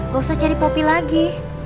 gak usah cari popi lagi